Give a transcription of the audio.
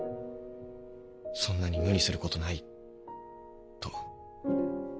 そんなに無理することないと。